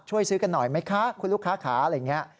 ช่วยซื้อกันหน่อยไหมคะคุณลูกค้าขาอะไรอย่างนี้